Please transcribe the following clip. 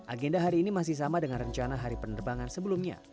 agenda hari ini masih sama dengan rencana hari penerbangan sebelumnya